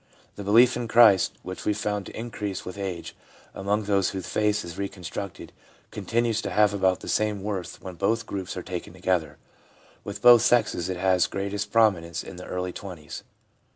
The belief in Christ, which we found to increase with age among those whose faith is reconstructed, continues to have about the same worth when both groups are taken together. With both sexes it has greatest promi nence in the early twenties.